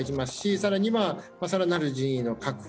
更には、更なる人員の確保。